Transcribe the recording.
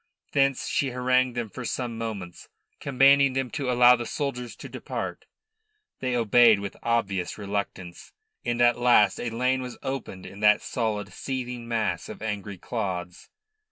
Thence she harangued them for some moments, commanding them to allow the soldiers to depart. They obeyed with obvious reluctance, and at last a lane was opened in that solid, seething mass of angry clods.